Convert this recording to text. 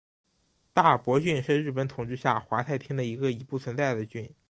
大泊郡是日本统治下的桦太厅的一个已不存在的郡。